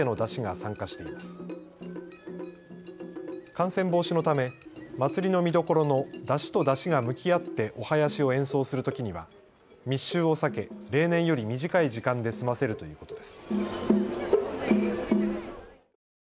感染防止のため祭りの見どころの山車と山車が向き合ってお囃子を演奏するときには密集を避け例年より短い時間で済ませるということです。